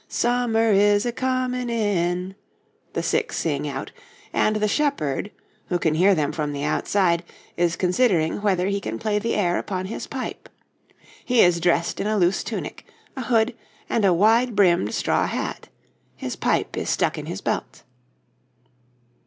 'Sumer is icumen in,' the six sing out, and the shepherd, who can hear them from outside, is considering whether he can play the air upon his pipe. He is dressed in a loose tunic, a hood, and a wide brimmed straw hat; his pipe is stuck in his belt.